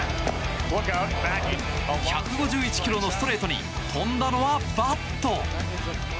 １５１キロのストレートに飛んだのはバット。